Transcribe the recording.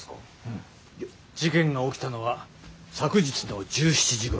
事件が起きたのは昨日の１７時ごろ。